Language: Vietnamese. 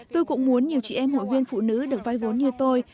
tôi cũng muốn nhiều chị em hội viên phụ nữ được vay vốn như tôi